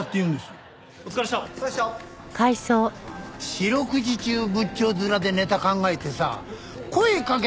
四六時中仏頂面でネタ考えてさ声かけ